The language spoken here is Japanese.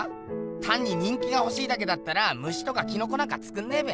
たんに人気がほしいだけだったら虫とかキノコなんかつくんねえべ。